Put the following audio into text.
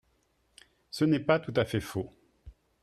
Ce n’est pas tout à fait faux